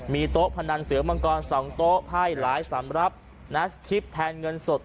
มีโต๊ะพนันเสือมังกร๒โต๊ะไพ่หลายสำรับนัชชิปแทนเงินสด